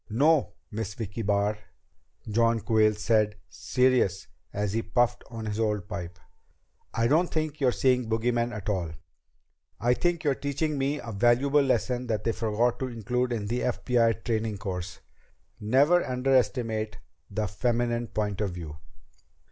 "No, Miss Vicki Barr," John Quayle said serious as he puffed on his old pipe, "I don't think you're seeing bogeymen at all. I think you're teaching me a valuable lesson that they forgot to include in the FBI training course never underestimate the feminine point of view."